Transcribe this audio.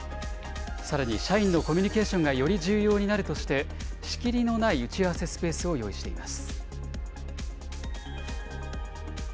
さらに社員のコミュニケーションがより重要になるとして、仕切りのない打ち合わせスペースを用意しています。